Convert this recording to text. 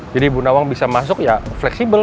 jadi bu nawang bisa masuk ya fleksibel